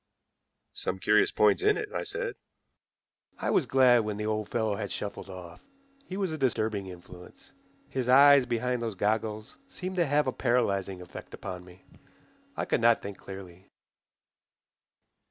"Some curious points in it," I said. I was glad when the old fellow had shuffled off. He was a disturbing influence. His eyes behind those goggles seemed to have a paralyzing effect upon me. I could not think clearly.